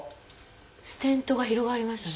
ステントが広がりましたね。